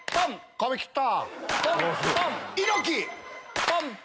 髪切った？